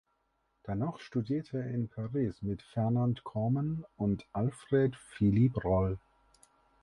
Danach studierte er in Paris bei Fernand Cormon und Alfred Philippe Roll.